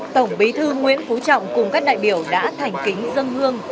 tổng bí thư nguyễn phú trọng cùng các đại biểu đã thành kính dân hương